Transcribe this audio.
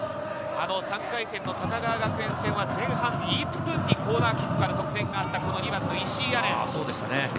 ３回戦の高川学園戦は前半１分にコーナーキックから得点があった２番の石井亜錬。